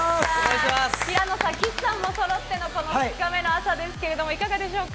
平野さん、岸さんもそろっての２日目の朝ですけれども、いかがでしょうか。